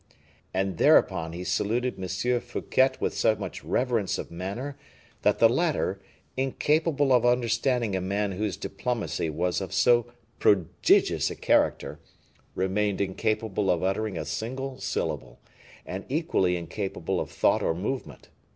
And thereupon he saluted M. Fouquet with so much reverence of manner, that the latter, incapable of understanding a man whose diplomacy was of so prodigious a character, remained incapable of uttering a single syllable, and equally incapable of thought or movement.